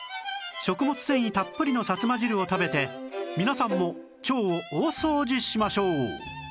食物繊維たっぷりのさつま汁を食べて皆さんも腸を大掃除しましょう